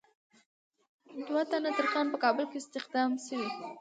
دوه تنه ترکان په کابل کې استخدام شوي.